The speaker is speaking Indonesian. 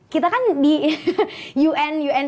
kita kan di un un